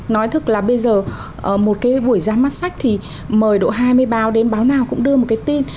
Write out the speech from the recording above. nói thực là bây giờ một cái buổi ra mắt sách thì mời độ hai mươi báo đến báo nào cũng đưa một cái tin